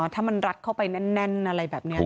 อ๋อถ้ามันรักเข้าไปแน่นอะไรแบบนี้อ่ะเนาะ